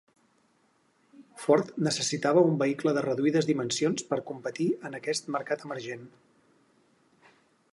Ford necessitava un vehicle de reduïdes dimensions per competir en aquest mercat emergent.